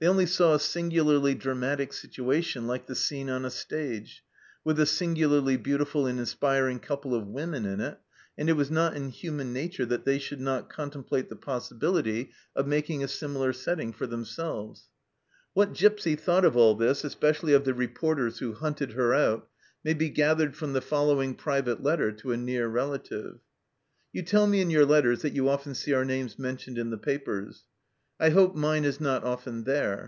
They only saw a singularly dramatic situation like the scene on a stage, with a singularly beautiful and inspiring couple of women in it, and it was not in human nature that they should not contemplate the possibility of making a similar setting for them selves. What Gipsy thought of all this, especially of the reporters who hunted her out, may be gathered from the following private letter to a near relative :" You tell me in your letters that you often see our names mentioned in the papers. I hope mine is not often there.